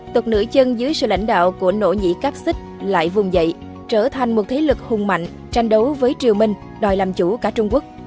tục nữ chân dưới sự lãnh đạo của nỗ nhĩ cáp xích lại vùng dậy trở thành một thế lực hùng mạnh tranh đấu với triều minh đòi làm chủ cả trung quốc